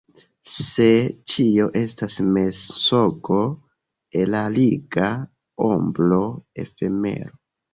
Se ĉio estas mensogo, erariga ombro, efemero.